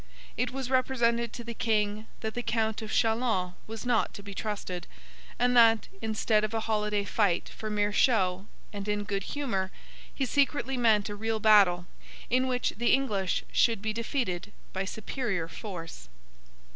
It was represented to the King that the Count of Châlons was not to be trusted, and that, instead of a holiday fight for mere show and in good humour, he secretly meant a real battle, in which the English should be defeated by superior force.